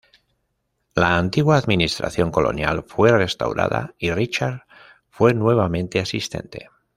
La antigua administración colonial fue restaurada, y Richards fue nuevamente asistente.